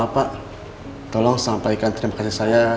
pak tolong sampaikan terima kasih saya